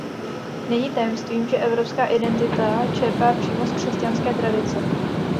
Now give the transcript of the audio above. Není tajemstvím, že evropská identita čerpá přímo z křesťanské tradice.